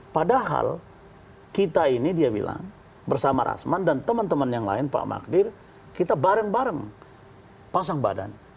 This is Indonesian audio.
padahal kita ini dia bilang bersama rasman dan teman teman yang lain pak magdir kita bareng bareng pasang badan